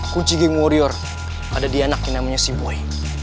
kunci geng warrior ada di anak yang namanya si boy